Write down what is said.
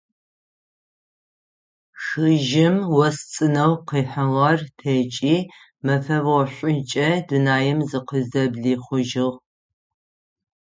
Хыжьым ос цӏынэу къыхьыгъэр текӏи, мэфэ ошӏукӏэ дунаим зыкъызэблихъужьыгъ.